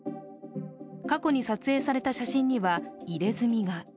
過去に撮影された写真には入れ墨が。